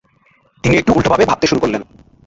তিনি একটু উল্টোভাবে ভাবতে শুরু করলেন।